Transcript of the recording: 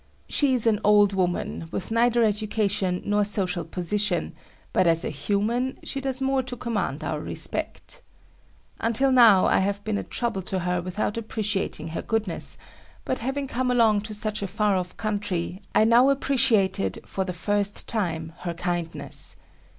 She is an old woman, with neither education nor social position, but as a human, she does more to command our respect. Until now, I have been a trouble to her without appreciating her goodness, but having come alone to such a far off country, I now appreciated, for the first time, her kindness.